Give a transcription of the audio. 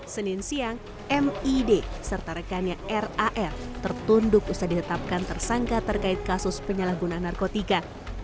senin siang mid serta rekannya raf tertunduk usai ditetapkan tersangka terkait kasus penyalahgunaan narkotika